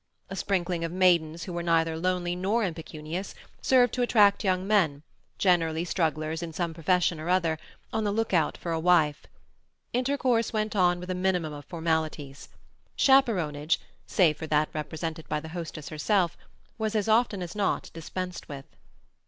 A sprinkling of maidens who were neither lonely nor impecunious served to attract young men, generally strugglers in some profession or other, on the lookout for a wife. Intercourse went on with a minimum of formalities. Chaperonage—save for that represented by the hostess herself—was as often as not dispensed with.